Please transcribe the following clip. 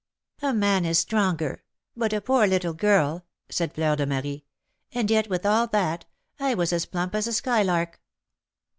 "A man is stronger; but a poor little girl " said Fleur de Marie. "And yet, with all that, I was as plump as a skylark."